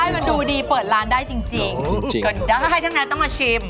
มันมันดูดีเปิดร้านได้จริง